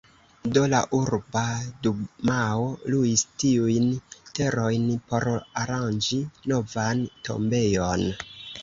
Do la Urba Dumao luis tiujn terojn por aranĝi novan tombejon.